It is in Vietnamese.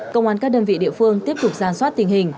công an các đơn vị địa phương tiếp tục ra soát tình hình